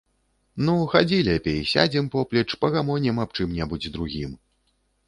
Ну, хадзі лепей, сядзем поплеч, пагамонім аб чым-небудзь другім.